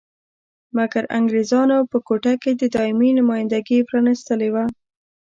مګر انګریزانو په کوټه کې دایمي نمایندګي پرانیستلې وه.